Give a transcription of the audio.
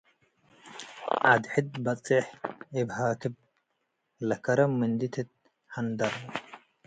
ዐድ ሕድ በጽሕ እብ ሃክብ - ለከረም ምንዲ ትትሀንደር